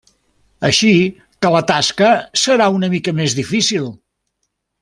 Així que la tasca serà una mica més difícil.